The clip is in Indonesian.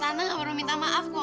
tante gak perlu minta maaf kok